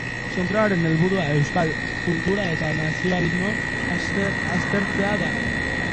Zentroaren helburua euskal kultura eta nazionalismoa aztertzea da.